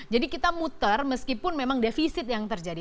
kita muter meskipun memang defisit yang terjadi